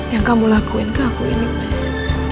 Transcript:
yang kamu lakuin tuh aku ini mas